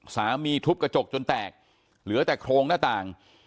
ทุบกระจกจนแตกเหลือแต่โครงหน้าต่าง